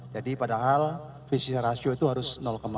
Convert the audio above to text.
jadi padahal visi rasio itu harus tujuh